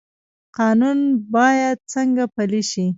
قانون باید څنګه پلی شي؟